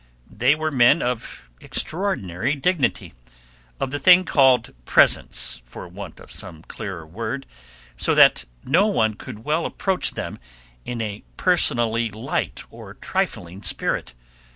They were men of extraordinary dignity, of the thing called presence, for want of some clearer word, so that no one could well approach them in a personally light or trifling spirit.